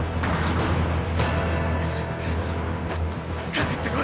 帰って来い！